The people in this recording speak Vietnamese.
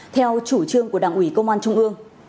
theo chủ trương của đảng ủy công an trung ương